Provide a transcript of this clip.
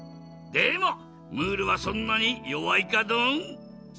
でもムールはそんなによわいかドン？